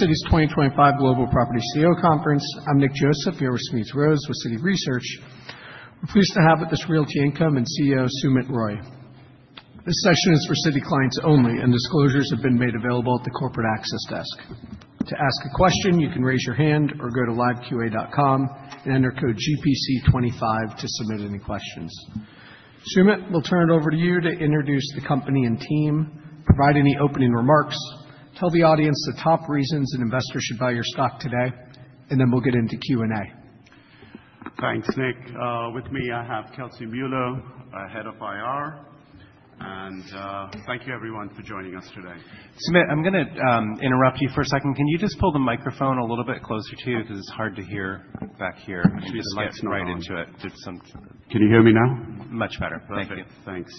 Citi's 2025 Global Property CEO Conference. I'm Nick Joseph, here with Smedes Rose with Citi Research. We're pleased to have with us Realty Income and CEO Sumit Roy. This session is for Citi clients only, and disclosures have been made available at the corporate access desk. To ask a question, you can raise your hand or go to liveqa.com and enter code GPC25 to submit any questions. Sumit, we'll turn it over to you to introduce the company and team, provide any opening remarks, tell the audience the top reasons an investor should buy your stock today, and then we'll get into Q&A. Thanks, Nick. With me, I have Kelsey Mueller, head of IR, and thank you, everyone, for joining us today. Sumit, I'm going to interrupt you for a second. Can you just pull the microphone a little bit closer to you. Because it's hard to hear back here. Please. I'm sure the mic's right into it. Can you hear me now? Much better. Thank you. Thanks.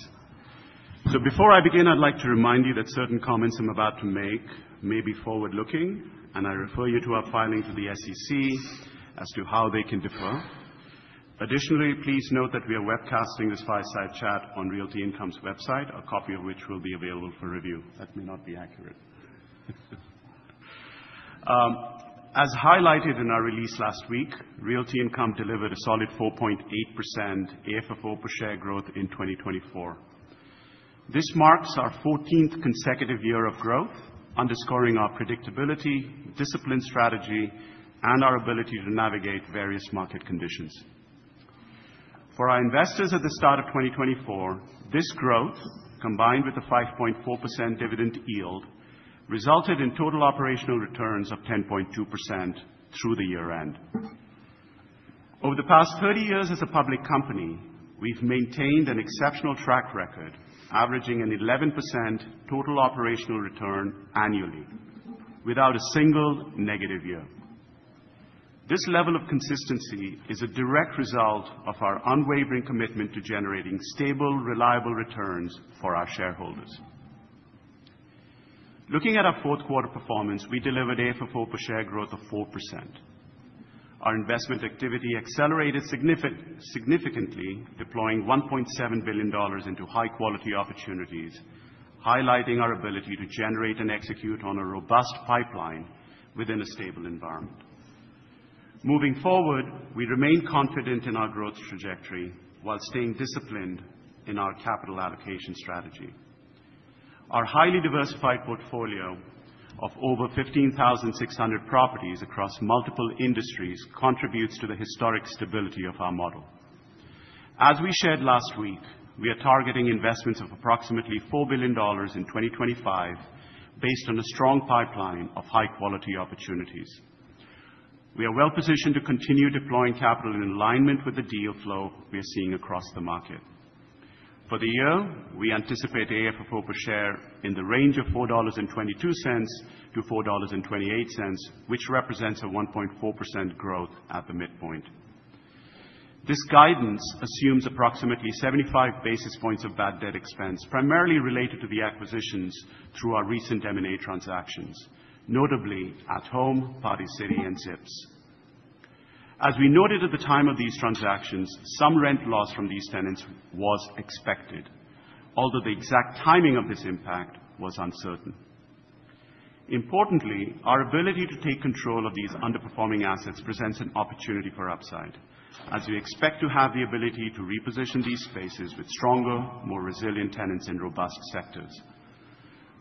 So before I begin, I'd like to remind you that certain comments I'm about to make may be forward-looking, and I refer you to our filing to the SEC as to how they can differ. Additionally, please note that we are webcasting this fireside chat on Realty Income's website, a copy of which will be available for review. That may not be accurate. As highlighted in our release last week, Realty Income delivered a solid 4.8% AFFO per share growth in 2024. This marks our 14th consecutive year of growth, underscoring our predictability, discipline strategy, and our ability to navigate various market conditions. For our investors at the start of 2024, this growth, combined with the 5.4% dividend yield, resulted in total operational returns of 10.2% through the year-end. Over the past 30 years as a public company, we've maintained an exceptional track record, averaging an 11% total operational return annually, without a single negative year. This level of consistency is a direct result of our unwavering commitment to generating stable, reliable returns for our shareholders. Looking at our fourth quarter performance, we delivered AFFO per share growth of 4%. Our investment activity accelerated significantly, deploying $1.7 billion into high-quality opportunities, highlighting our ability to generate and execute on a robust pipeline within a stable environment. Moving forward, we remain confident in our growth trajectory while staying disciplined in our capital allocation strategy. Our highly diversified portfolio of over 15,600 properties across multiple industries contributes to the historic stability of our model. As we shared last week, we are targeting investments of approximately $4 billion in 2025, based on a strong pipeline of high-quality opportunities. We are well-positioned to continue deploying capital in alignment with the deal flow we are seeing across the market. For the year, we anticipate AFFO per share in the range of $4.22-$4.28, which represents a 1.4% growth at the midpoint. This guidance assumes approximately 75 basis points of bad debt expense, primarily related to the acquisitions through our recent M&A transactions, notably At Home, Party City, and Zips. As we noted at the time of these transactions, some rent loss from these tenants was expected, although the exact timing of this impact was uncertain. Importantly, our ability to take control of these underperforming assets presents an opportunity for upside, as we expect to have the ability to reposition these spaces with stronger, more resilient tenants in robust sectors.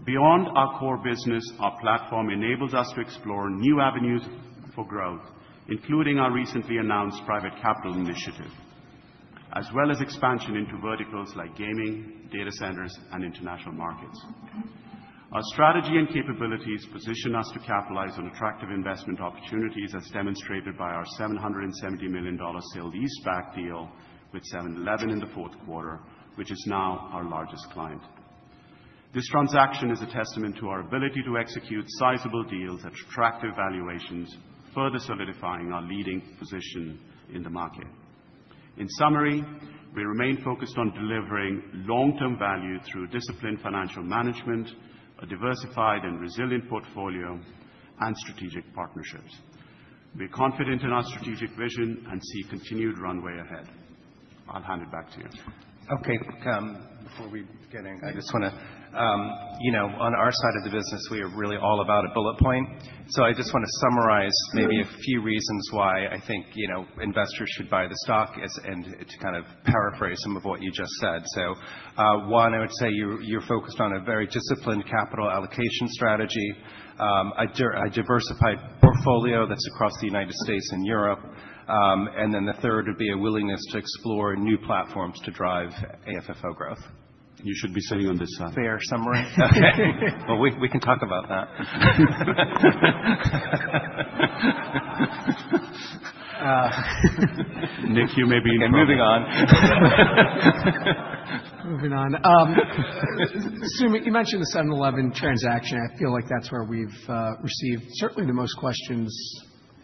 Beyond our core business, our platform enables us to explore new avenues for growth, including our recently announced private capital initiative, as well as expansion into verticals like gaming, data centers, and international markets. Our strategy and capabilities position us to capitalize on attractive investment opportunities, as demonstrated by our $770 million sale-leaseback deal with 7-Eleven in the fourth quarter, which is now our largest client. This transaction is a testament to our ability to execute sizable deals at attractive valuations, further solidifying our leading position in the market. In summary, we remain focused on delivering long-term value through disciplined financial management, a diversified and resilient portfolio, and strategic partnerships. We are confident in our strategic vision and see continued runway ahead. I'll hand it back to you. Okay. Before we get in, I just want to, you know, on our side of the business, we are really all about a bullet point. So I just want to summarize maybe a few reasons why I think, you know, investors should buy the stock, and to kind of paraphrase some of what you just said. So one, I would say you're focused on a very disciplined capital allocation strategy, a diversified portfolio that's across the United States and Europe. And then the third would be a willingness to explore new platforms to drive AFFO growth. You should be sitting on this side. Fair summary. Well, we can talk about that. Nick, you may be in trouble. Okay. Moving on. Moving on. Sumit, you mentioned the 7-Eleven transaction. I feel like that's where we've received certainly the most questions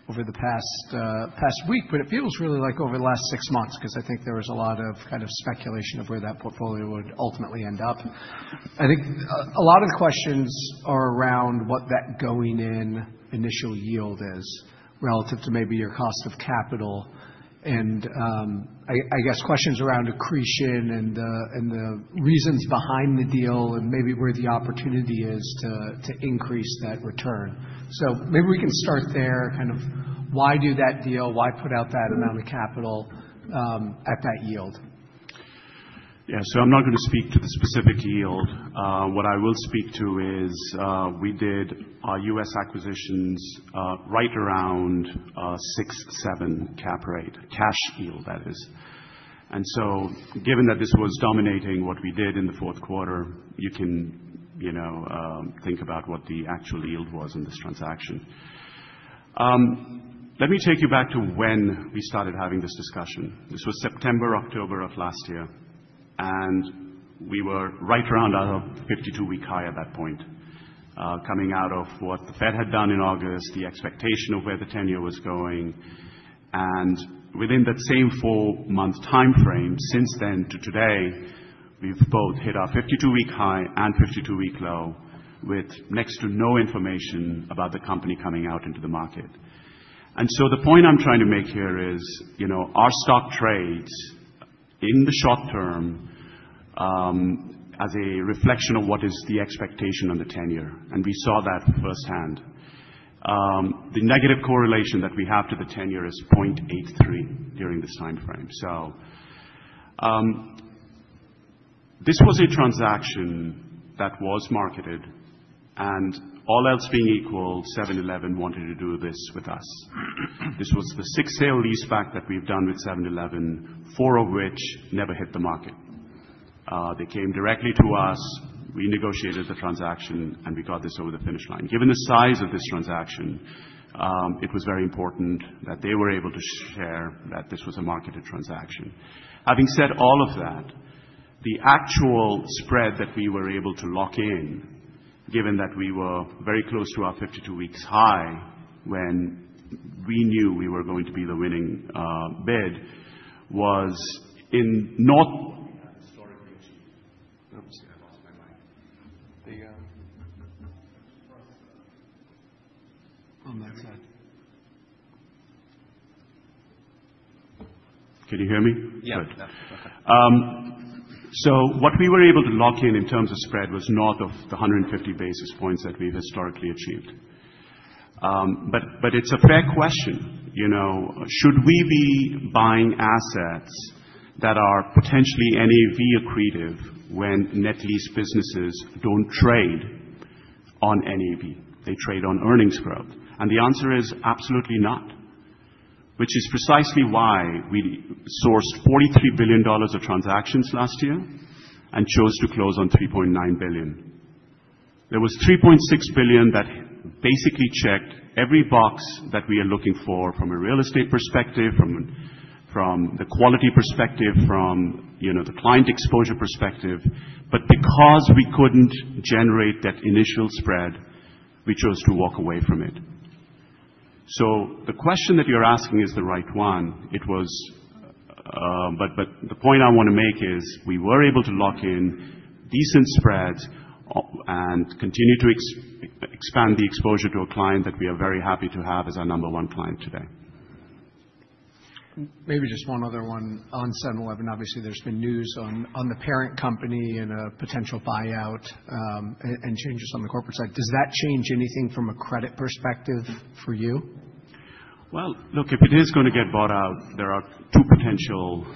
over the past week, but it feels really like over the last six months, because I think there was a lot of kind of speculation of where that portfolio would ultimately end up. I think a lot of the questions are around what that going-in initial yield is, relative to maybe your cost of capital, and I guess questions around accretion and the reasons behind the deal, and maybe where the opportunity is to increase that return. So maybe we can start there, kind of why do that deal? Why put out that amount of capital at that yield? Yeah. So I'm not going to speak to the specific yield. What I will speak to is we did our U.S. acquisitions right around 6.7 cap rate, cash yield, that is. And so given that this was dominating what we did in the fourth quarter, you can, you know, think about what the actual yield was in this transaction. Let me take you back to when we started having this discussion. This was September, October of last year, and we were right around our 52-week high at that point, coming out of what the Fed had done in August, the expectation of where the ten-year was going. And within that same four-month time frame since then to today, we've both hit our 52-week high and 52-week low, with next to no information about the company coming out into the market. So the point I'm trying to make here is, you know, our stock trades in the short term as a reflection of what is the expectation on the 10-year Treasury, and we saw that firsthand. The negative correlation that we have to the 10-year Treasury is 0.83 during this time frame. This was a transaction that was marketed, and all else being equal, 7-Eleven wanted to do this with us. This was the sixth sale-leaseback that we've done with 7-Eleven, four of which never hit the market. They came directly to us, we negotiated the transaction, and we got this over the finish line. Given the size of this transaction, it was very important that they were able to share that this was a marketed transaction. Having said all of that, the actual spread that we were able to lock in, given that we were very close to our 52-week high when we knew we were going to be the winning bid, was 190. I think that's historically achieved. Oops, I lost my mic. On that side. Can you hear me? Yeah. Good. Yeah. Okay. So what we were able to lock in in terms of spread was north of the 150 basis points that we've historically achieved. But it's a fair question, you know, should we be buying assets that are potentially NAV accretive when net lease businesses don't trade on NAV? They trade on earnings growth. And the answer is absolutely not, which is precisely why we sourced $43 billion of transactions last year and chose to close on $3.9 billion. There was $3.6 billion that basically checked every box that we are looking for from a real estate perspective, from the quality perspective, from, you know, the client exposure perspective. But because we couldn't generate that initial spread, we chose to walk away from it. So the question that you're asking is the right one. It was, but the point I want to make is we were able to lock in decent spreads and continue to expand the exposure to a client that we are very happy to have as our number one client today. Maybe just one other one on 7-Eleven. Obviously, there's been news on the parent company and a potential buyout and changes on the corporate side. Does that change anything from a credit perspective for you? Look, if it is going to get bought out, there are two potential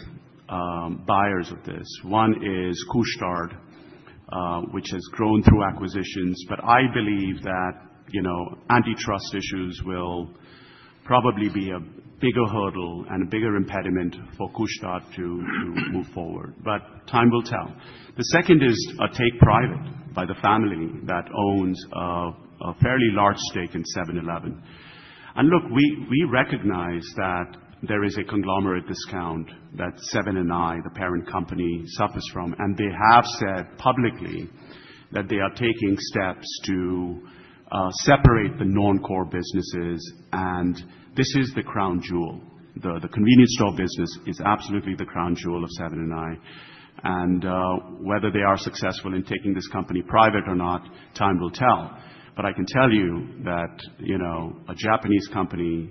buyers of this. One is Couche-Tard, which has grown through acquisitions, but I believe that, you know, antitrust issues will probably be a bigger hurdle and a bigger impediment for Couche-Tard to move forward. Time will tell. The second is a take-private by the family that owns a fairly large stake in 7-Eleven. Look, we recognize that there is a conglomerate discount that 7 & I, the parent company, suffers from, and they have said publicly that they are taking steps to separate the non-core businesses, and this is the crown jewel. The convenience store business is absolutely the crown jewel of 7 & I, and whether they are successful in taking this company private or not, time will tell. But I can tell you that, you know, a Japanese company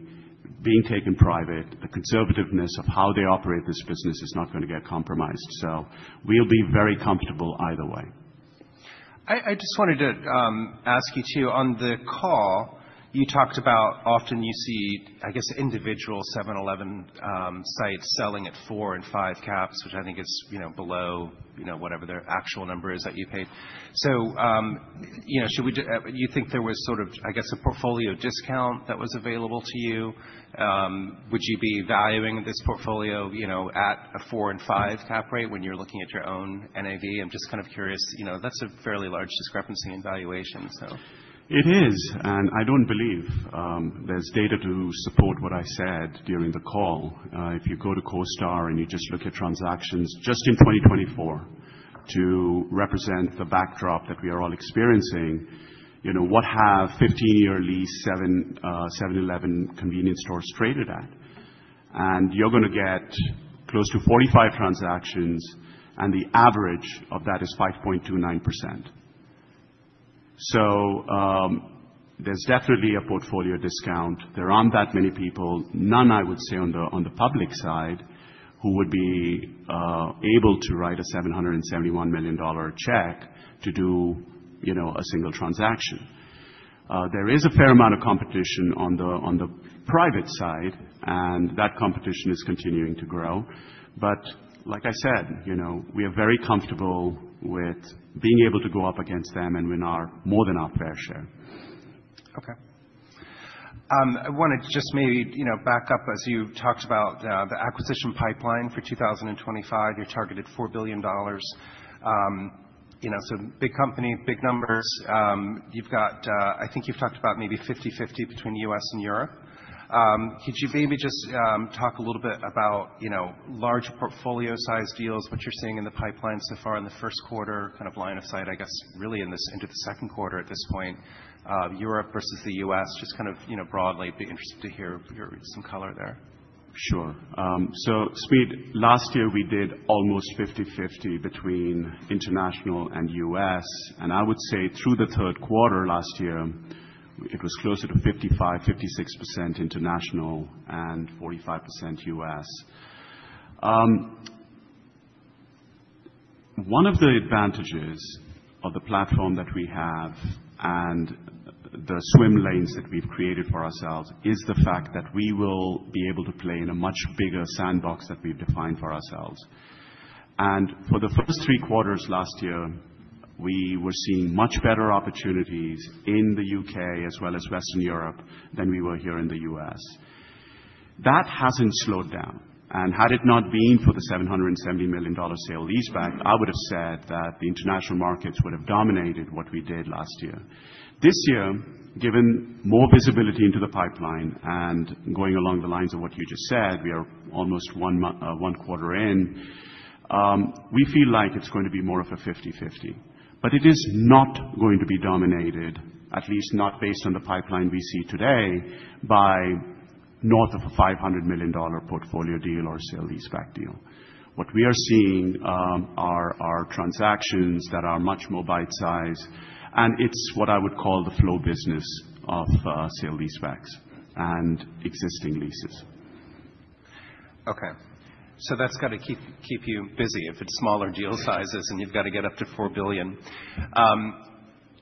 being taken private, the conservativeness of how they operate this business is not going to get compromised. So we'll be very comfortable either way. I just wanted to ask you too, on the call, you talked about often you see, I guess, individual 7-Eleven sites selling at four and five caps, which I think is, you know, below, you know, whatever their actual number is that you paid. So, you know, should we do, you think there was sort of, I guess, a portfolio discount that was available to you? Would you be valuing this portfolio, you know, at a four and five-cap rate when you're looking at your own NAV? I'm just kind of curious, you know, that's a fairly large discrepancy in valuation, so. It is, and I don't believe there's data to support what I said during the call. If you go to CoStar and you just look at transactions just in 2024, to represent the backdrop that we are all experiencing, you know, what have 15-year lease 7-Eleven convenience stores traded at? And you're going to get close to 45 transactions, and the average of that is 5.29%. So there's definitely a portfolio discount. There aren't that many people, none, I would say, on the public side who would be able to write a $771 million check to do, you know, a single transaction. There is a fair amount of competition on the private side, and that competition is continuing to grow. But like I said, you know, we are very comfortable with being able to go up against them and win our more than our fair share. Okay. I want to just maybe, you know, back up as you talked about the acquisition pipeline for 2025. You're targeted $4 billion. You know, so big company, big numbers. You've got, I think you've talked about maybe 50/50 between the U.S. and Europe. Could you maybe just talk a little bit about, you know, large portfolio-sized deals, what you're seeing in the pipeline so far in the first quarter, kind of line of sight, I guess, really in this into the second quarter at this point, Europe versus the U.S., just kind of, you know, broadly, be interested to hear some color there. Sure. So speed, last year we did almost 50/50 between international and U.S., and I would say through the third quarter last year, it was closer to 55%-56% international and 45% U.S. One of the advantages of the platform that we have and the swim lanes that we've created for ourselves is the fact that we will be able to play in a much bigger sandbox that we've defined for ourselves. For the first three quarters last year, we were seeing much better opportunities in the U.K. as well as Western Europe than we were here in the U.S. That hasn't slowed down, and had it not been for the $770 million sale-leaseback, I would have said that the international markets would have dominated what we did last year. This year, given more visibility into the pipeline and going along the lines of what you just said, we are almost one quarter in. We feel like it's going to be more of a 50/50. But it is not going to be dominated, at least not based on the pipeline we see today, by north of a $500 million portfolio deal or sale-leaseback deal. What we are seeing are transactions that are much more bite-sized, and it's what I would call the flow business of sale-leasebacks and existing leases. Okay. So that's got to keep you busy if it's smaller deal sizes and you've got to get up to $4 billion.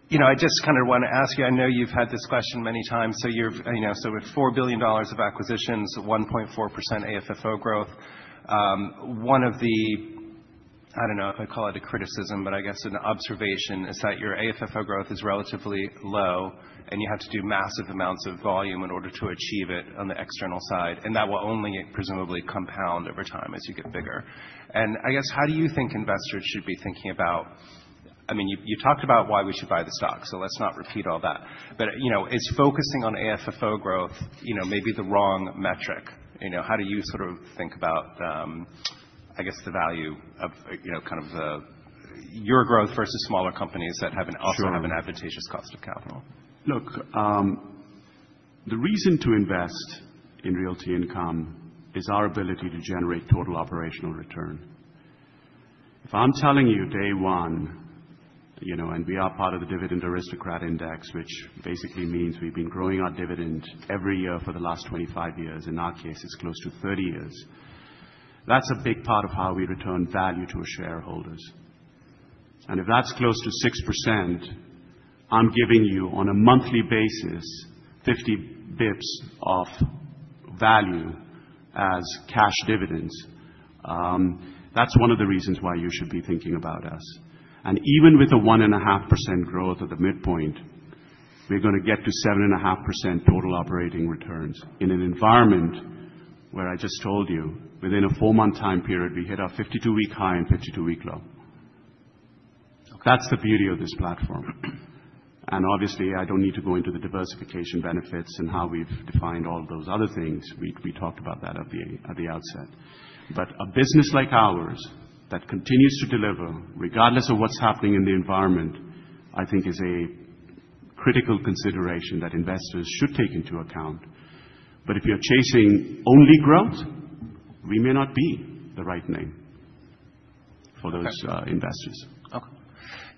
You know, I just kind of want to ask you. I know you've had this question many times, so you're, you know, so with $4 billion of acquisitions, 1.4% AFFO growth, one of the, I don't know if I call it a criticism, but I guess an observation is that your AFFO growth is relatively low, and you have to do massive amounts of volume in order to achieve it on the external side, and that will only presumably compound over time as you get bigger. And I guess, how do you think investors should be thinking about, I mean, you talked about why we should buy the stock, so let's not repeat all that? You know, is focusing on AFFO growth, you know, maybe the wrong metric? You know, how do you sort of think about, I guess, the value of, you know, kind of your growth versus smaller companies that also have an advantageous cost of capital? Sure. Look, the reason to invest in Realty Income is our ability to generate total operational return. If I'm telling you day one, you know, and we are part of the Dividend Aristocrats Index, which basically means we've been growing our dividend every year for the last 25 years, in our case, it's close to 30 years, that's a big part of how we return value to our shareholders, and if that's close to 6%, I'm giving you on a monthly basis 50 basis points of value as cash dividends. That's one of the reasons why you should be thinking about us, and even with a 1.5% growth at the midpoint, we're going to get to 7.5% total operating returns in an environment where I just told you, within a four-month time period, we hit our 52-week high and 52-week low. That's the beauty of this platform. And obviously, I don't need to go into the diversification benefits and how we've defined all those other things. We talked about that at the outset. But a business like ours that continues to deliver, regardless of what's happening in the environment, I think is a critical consideration that investors should take into account. But if you're chasing only growth, we may not be the right name for those investors. Okay.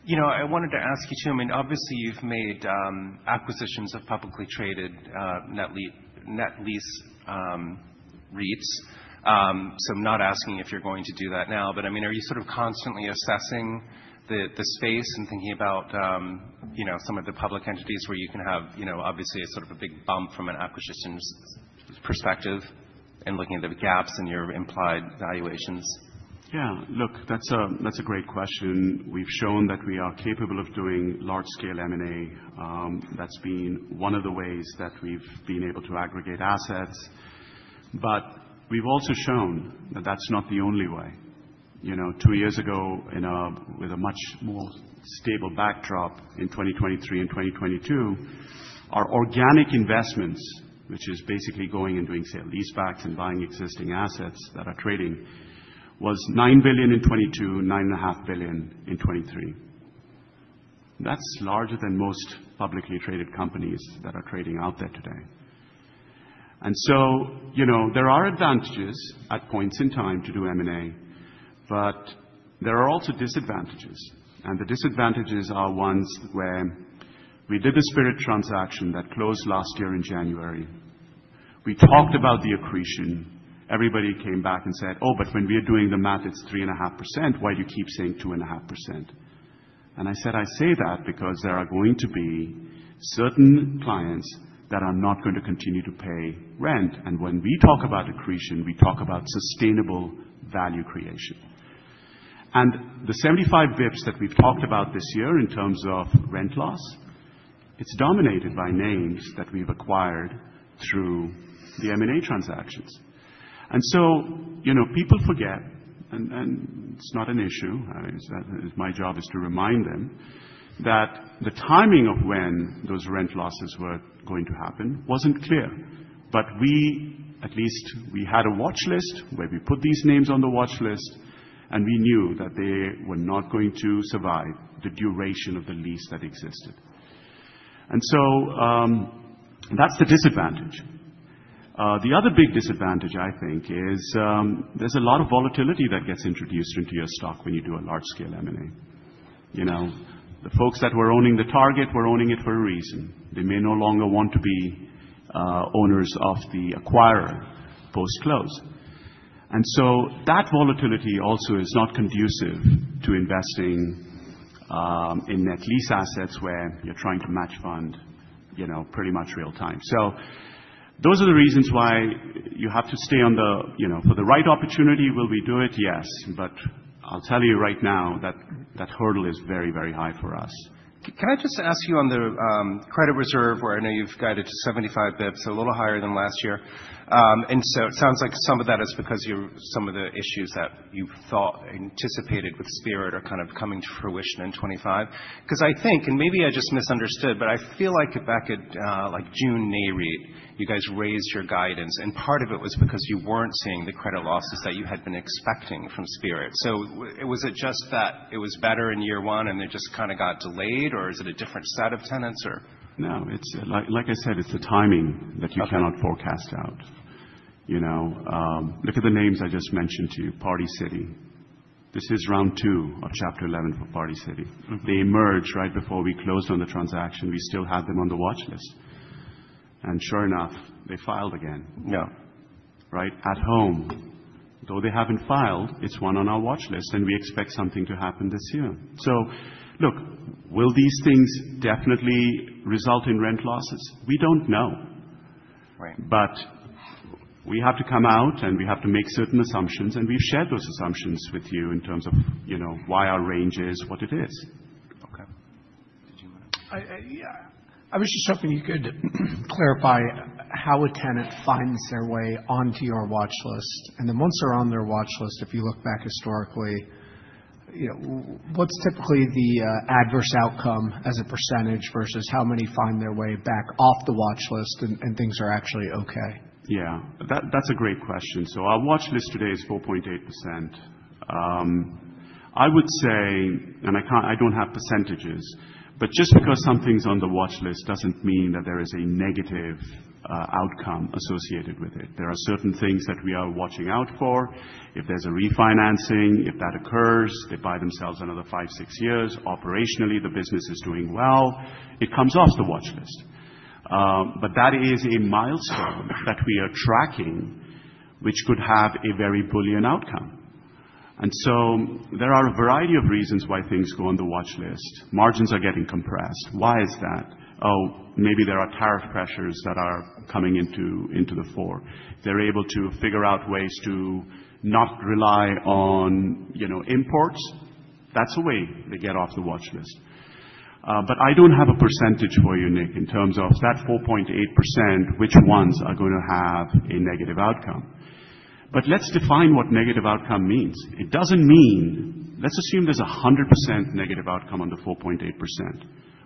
You know, I wanted to ask you too, I mean, obviously, you've made acquisitions of publicly traded net lease REITs, so I'm not asking if you're going to do that now, but I mean, are you sort of constantly assessing the space and thinking about, you know, some of the public entities where you can have, you know, obviously a sort of a big bump from an acquisition perspective and looking at the gaps in your implied valuations? Yeah. Look, that's a great question. We've shown that we are capable of doing large-scale M&A. That's been one of the ways that we've been able to aggregate assets. But we've also shown that that's not the only way. You know, two years ago, with a much more stable backdrop in 2023 and 2022, our organic investments, which is basically going and doing sale lease-backs and buying existing assets that are trading, was $9 billion in 2022, $9.5 billion in 2023. That's larger than most publicly traded companies that are trading out there today. And so, you know, there are advantages at points in time to do M&A, but there are also disadvantages. And the disadvantages are ones where we did the Spirit transaction that closed last year in January. We talked about the accretion. Everybody came back and said, "Oh, but when we are doing the math, it's 3.5%. Why do you keep saying 2.5%?" And I said, "I say that because there are going to be certain clients that are not going to continue to pay rent." And when we talk about accretion, we talk about sustainable value creation. And the 75 basis points that we've talked about this year in terms of rent loss, it's dominated by names that we've acquired through the M&A transactions. And so, you know, people forget, and it's not an issue. I mean, it's my job to remind them that the timing of when those rent losses were going to happen wasn't clear. But we, at least, we had a watch list where we put these names on the watch list, and we knew that they were not going to survive the duration of the lease that existed. And so that's the disadvantage. The other big disadvantage, I think, is there's a lot of volatility that gets introduced into your stock when you do a large-scale M&A. You know, the folks that were owning the target were owning it for a reason. They may no longer want to be owners of the acquirer post-close. And so that volatility also is not conducive to investing in net lease assets where you're trying to match fund, you know, pretty much real time. So those are the reasons why you have to stay on the, you know, for the right opportunity. Will we do it? Yes. But I'll tell you right now that that hurdle is very, very high for us. Can I just ask you on the credit reserve, where I know you've guided to 75 basis points, a little higher than last year? And so it sounds like some of that is because you're seeing some of the issues that you thought anticipated with Spirit are kind of coming to fruition in 2025. Because I think, and maybe I just misunderstood, but I feel like back at like June Nareit, you guys raised your guidance, and part of it was because you weren't seeing the credit losses that you had been expecting from Spirit. So was it just that it was better in year one and they just kind of got delayed, or is it a different set of tenants, or? No. It's, like I said, it's the timing that you cannot forecast out. You know, look at the names I just mentioned to you, Party City. This is round two of Chapter 11 for Party City. They emerged right before we closed on the transaction. We still had them on the watch list. And sure enough, they filed again. Yeah. Right? At Home, though they haven't filed, it's one on our Watch List, and we expect something to happen this year. So look, will these things definitely result in rent losses? We don't know. Right. But we have to come out and we have to make certain assumptions, and we've shared those assumptions with you in terms of, you know, why our range is what it is. Okay. Did you want to? Yeah. I was just hoping you could clarify how a tenant finds their way onto your Watch List. And then once they're on their Watch List, if you look back historically, you know, what's typically the adverse outcome as a percentage versus how many find their way back off the Watch List and things are actually okay? Yeah. That's a great question, so our Watch List today is 4.8%. I would say, and I don't have percentages, but just because something's on the Watch List doesn't mean that there is a negative outcome associated with it. There are certain things that we are watching out for. If there's a refinancing, if that occurs, they buy themselves another five, six years, operationally the business is doing well, it comes off the Watch List. But that is a milestone that we are tracking, which could have a very bullish outcome. And so there are a variety of reasons why things go on the Watch List. Margins are getting compressed. Why is that? Oh, maybe there are tariff pressures that are coming to the fore. They're able to figure out ways to not rely on, you know, imports. That's a way they get off the Watch List. But I don't have a percentage for you, Nick, in terms of that 4.8%, which ones are going to have a negative outcome. But let's define what negative outcome means. It doesn't mean, let's assume there's a 100% negative outcome on the 4.8%.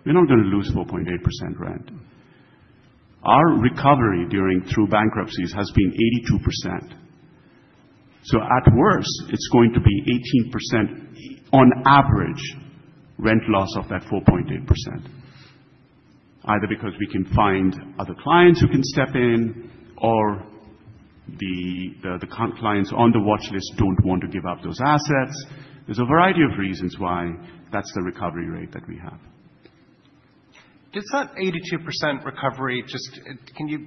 We're not going to lose 4.8% rent. Our recovery during bankruptcies has been 82%. So at worst, it's going to be 18% on average rent loss of that 4.8%, either because we can find other clients who can step in or the clients on the watch list don't want to give up those assets. There's a variety of reasons why that's the recovery rate that we have. Does that 82% recovery just, can you,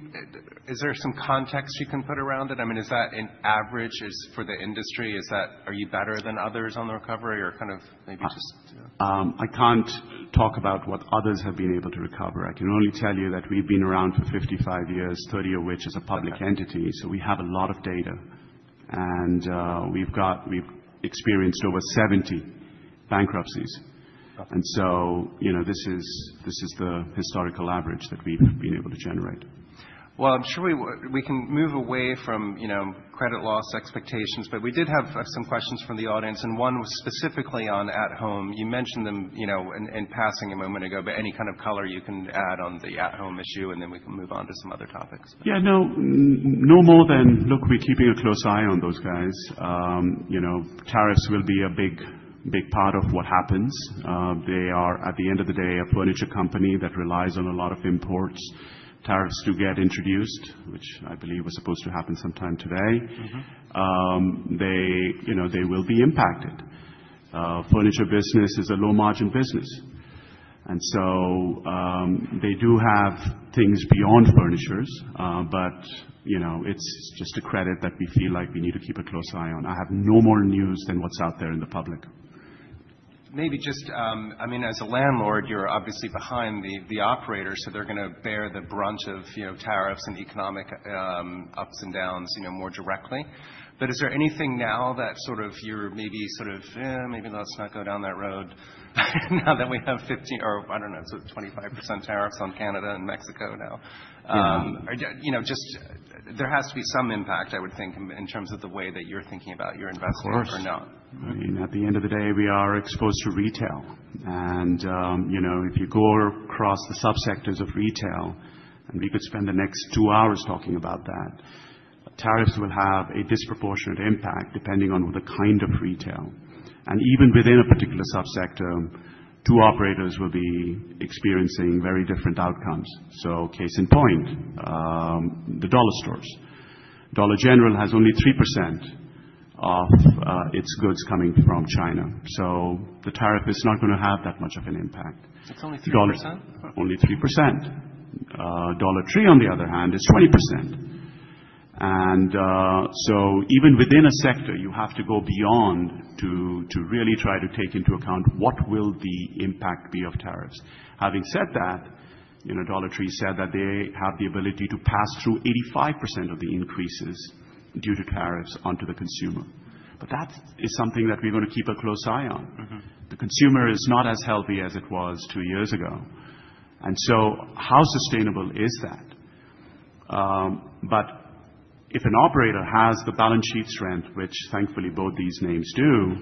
is there some context you can put around it? I mean, is that an average for the industry? Is that, are you better than others on the recovery or kind of maybe just? I can't talk about what others have been able to recover. I can only tell you that we've been around for 55 years, 30 of which as a public entity, so we have a lot of data and we've experienced over 70 bankruptcies, and so, you know, this is the historical average that we've been able to generate. Well, I'm sure we can move away from, you know, credit loss expectations, but we did have some questions from the audience, and one was specifically on At Home. You mentioned them, you know, in passing a moment ago, but any kind of color you can add on the At Home issue, and then we can move on to some other topics. Yeah. No, no more than, look, we're keeping a close eye on those guys. You know, tariffs will be a big, big part of what happens. They are, at the end of the day, a furniture company that relies on a lot of imports. Tariffs do get introduced, which I believe was supposed to happen sometime today. They, you know, they will be impacted. Furniture business is a low-margin business. And so they do have things beyond furniture, but, you know, it's just a credit that we feel like we need to keep a close eye on. I have no more news than what's out there in the public. Maybe just, I mean, as a landlord, you're obviously behind the operator, so they're going to bear the brunt of, you know, tariffs and economic ups and downs, you know, more directly. But is there anything now that sort of you're maybe sort of, maybe let's not go down that road now that we have 15% or, I don't know, it's 25% tariffs on Canada and Mexico now? You know, just there has to be some impact, I would think, in terms of the way that you're thinking about your investments or not. Of course. I mean, at the end of the day, we are exposed to retail. And, you know, if you go across the subsectors of retail, and we could spend the next two hours talking about that, tariffs will have a disproportionate impact depending on the kind of retail. And even within a particular subsector, two operators will be experiencing very different outcomes. So case in point, the dollar stores. Dollar General has only 3% of its goods coming from China. So the tariff is not going to have that much of an impact. It's only 3%? Only 3%. Dollar Tree, on the other hand, is 20%. And so even within a sector, you have to go beyond to really try to take into account what the impact will be of tariffs. Having said that, you know, Dollar Tree said that they have the ability to pass through 85% of the increases due to tariffs onto the consumer. But that is something that we're going to keep a close eye on. The consumer is not as healthy as it was two years ago. And so how sustainable is that? But if an operator has the balance sheet strength, which thankfully both these names do,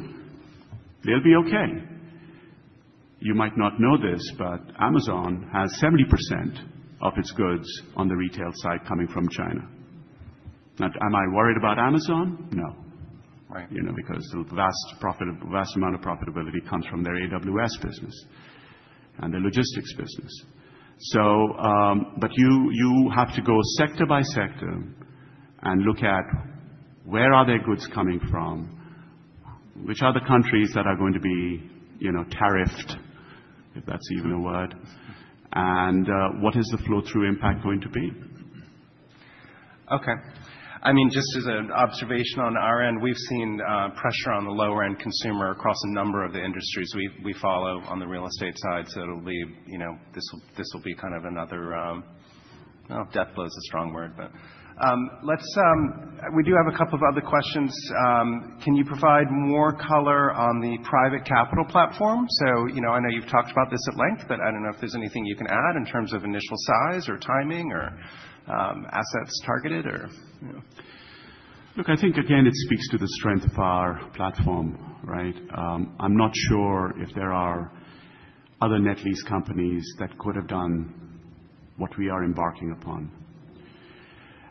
they'll be okay. You might not know this, but Amazon has 70% of its goods on the retail side coming from China. Now, am I worried about Amazon? No. Right. You know, because the vast amount of profitability comes from their AWS business and their logistics business. So, but you have to go sector by sector and look at where are their goods coming from, which are the countries that are going to be, you know, tariffed, if that's even a word, and what is the flow-through impact going to be? Okay. I mean, just as an observation on our end, we've seen pressure on the lower-end consumer across a number of the industries we follow on the real estate side. So it'll leave, you know, this will be kind of another, well, death blow is a strong word, but let's, we do have a couple of other questions. Can you provide more color on the private capital platform? So, you know, I know you've talked about this at length, but I don't know if there's anything you can add in terms of initial size or timing or assets targeted or, you know. Look, I think again, it speaks to the strength of our platform, right? I'm not sure if there are other net lease companies that could have done what we are embarking upon,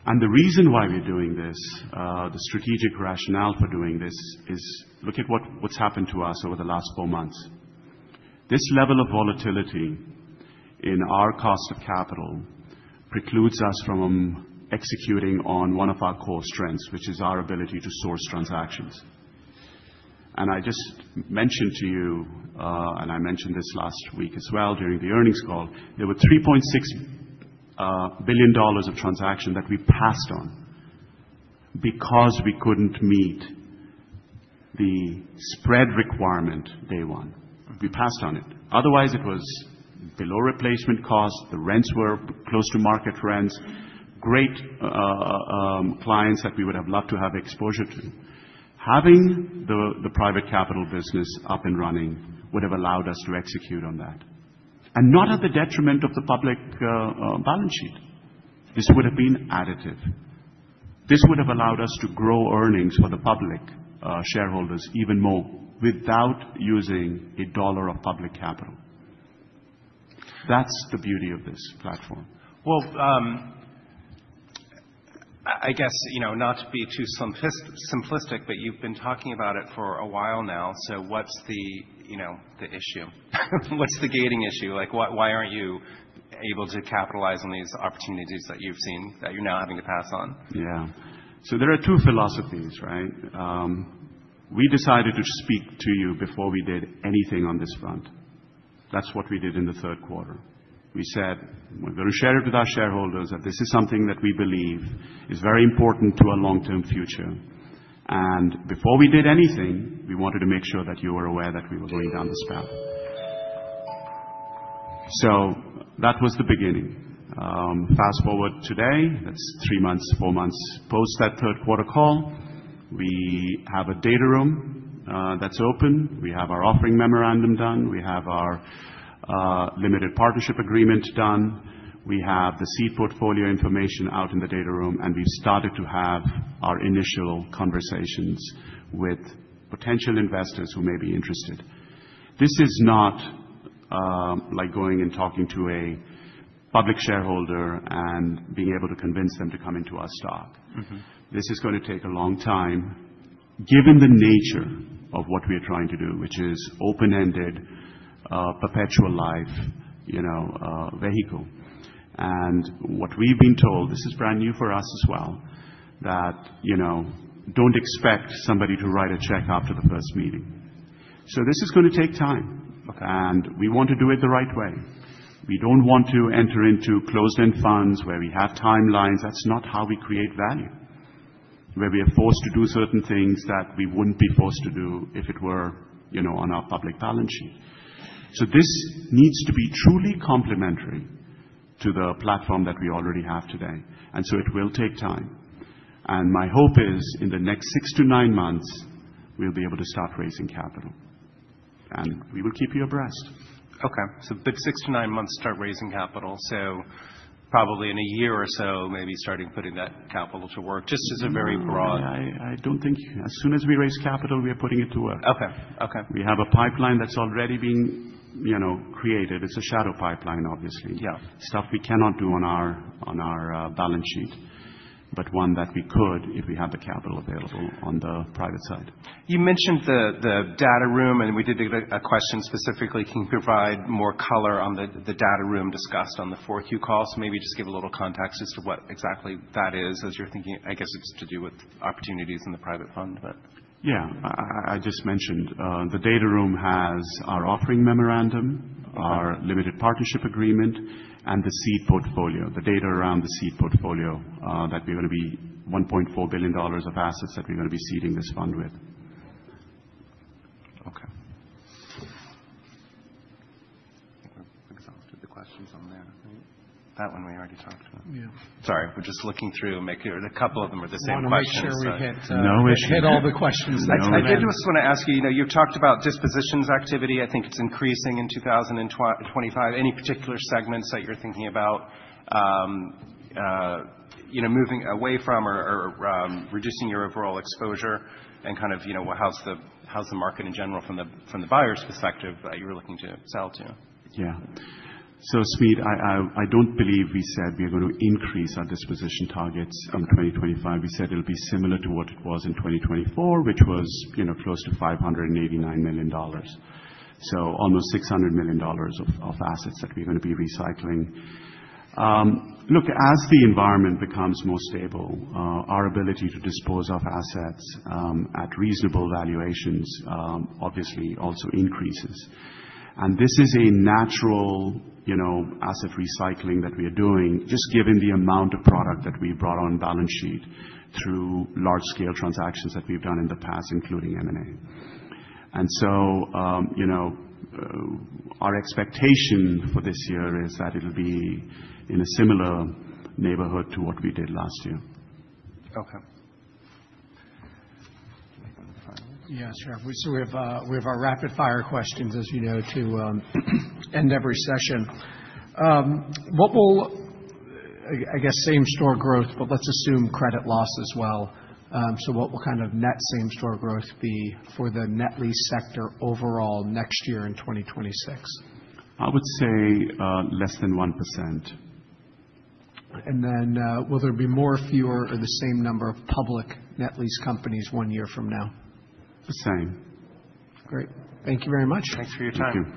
and the reason why we're doing this, the strategic rationale for doing this is look at what's happened to us over the last four months. This level of volatility in our cost of capital precludes us from executing on one of our core strengths, which is our ability to source transactions, and I just mentioned to you, and I mentioned this last week as well during the earnings call, there were $3.6 billion of transactions that we passed on because we couldn't meet the spread requirement day one. We passed on it. Otherwise, it was below replacement cost. The rents were close to market rents. Great clients that we would have loved to have exposure to. Having the private capital business up and running would have allowed us to execute on that, and not at the detriment of the public balance sheet. This would have been additive. This would have allowed us to grow earnings for the public shareholders even more without using a dollar of public capital. That's the beauty of this platform. I guess, you know, not to be too simplistic, but you've been talking about it for a while now. What's the, you know, the issue? What's the gating issue? Like, why aren't you able to capitalize on these opportunities that you've seen that you're now having to pass on? Yeah. So there are two philosophies, right? We decided to speak to you before we did anything on this front. That's what we did in the third quarter. We said, we're going to share it with our shareholders that this is something that we believe is very important to our long-term future. And before we did anything, we wanted to make sure that you were aware that we were going down this path. So that was the beginning. Fast forward today, that's three months, four months post that third quarter call, we have a data room that's open. We have our offering memorandum done. We have our limited partnership agreement done. We have the seed portfolio information out in the data room, and we've started to have our initial conversations with potential investors who may be interested. This is not like going and talking to a public shareholder and being able to convince them to come into our stock. This is going to take a long time given the nature of what we are trying to do, which is open-ended, perpetual life, you know, vehicle. And what we've been told, this is brand new for us as well, that, you know, don't expect somebody to write a check after the first meeting. So this is going to take time. And we want to do it the right way. We don't want to enter into closed-end funds where we have timelines. That's not how we create value, where we are forced to do certain things that we wouldn't be forced to do if it were, you know, on our public balance sheet. So this needs to be truly complementary to the platform that we already have today. And so it will take time. And my hope is in the next six to nine months, we'll be able to start raising capital. And we will keep you abreast. Okay. So six to nine months, start raising capital. So probably in a year or so, maybe starting putting that capital to work just as a very broad. I don't think, as soon as we raise capital, we are putting it to work. Okay. Okay. We have a pipeline that's already being, you know, created. It's a shadow pipeline, obviously. Yeah. Stuff we cannot do on our balance sheet, but one that we could if we had the capital available on the private side. You mentioned the data room, and we did get a question specifically. Can you provide more color on the data room discussed on the fourth quarter call? So maybe just give a little context as to what exactly that is as you're thinking. I guess it's to do with opportunities in the private fund, but. Yeah. I just mentioned the data room has our offering memorandum, our limited partnership agreement, and the seed portfolio, the data around the seed portfolio that we're going to be $1.4 billion of assets that we're going to be seeding this fund with. Okay. I think I've answered the questions on there. That one we already talked to. Yeah. Sorry. We're just looking through, make sure a couple of them are the same questions. No issue. We hit all the questions. I did just want to ask you, you know, you talked about dispositions activity. I think it's increasing in 2025. Any particular segments that you're thinking about, you know, moving away from or reducing your overall exposure and kind of, you know, how's the market in general from the buyer's perspective that you were looking to sell to? Yeah, so, Sweet, I don't believe we said we are going to increase our disposition targets in 2025. We said it'll be similar to what it was in 2024, which was, you know, close to $589 million, so almost $600 million of assets that we're going to be recycling. Look, as the environment becomes more stable, our ability to dispose of assets at reasonable valuations obviously also increases, and this is a natural, you know, asset recycling that we are doing just given the amount of product that we brought on balance sheet through large-scale transactions that we've done in the past, including M&A, and so, you know, our expectation for this year is that it'll be in a similar neighborhood to what we did last year. Okay. Yeah, sure. So we have our rapid-fire questions, as you know, to end every session. What will, I guess, same-store growth, but let's assume credit loss as well. So what will kind of net same-store growth be for the net lease sector overall next year in 2026? I would say less than 1%. Will there be more, fewer, or the same number of public net lease companies one year from now? The same. Great. Thank you very much. Thanks for your time.